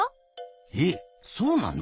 えっそうなの？